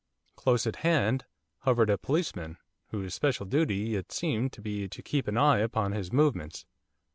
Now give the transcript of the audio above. Close at hand hovered a policeman whose special duty it seemed to be to keep an eye upon his movements.